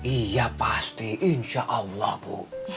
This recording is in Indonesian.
iya pasti insya allah bu